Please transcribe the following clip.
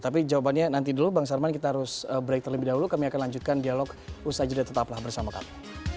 tapi jawabannya nanti dulu bang sarman kita harus break terlebih dahulu kami akan lanjutkan dialog usai jeda tetaplah bersama kami